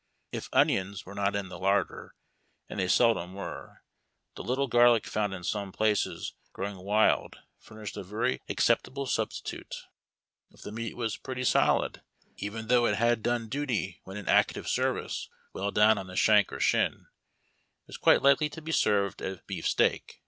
If onions were not in the larder, and they seldom were, the little garlic found in some places growing wild furnished a very accept An Mr BATIOA'S. 183 able substitute. It" the meat was pretty solid, even though it had done duty wlieu in active service well down on the shank or shin, it was quite likely to be served as beefsteak.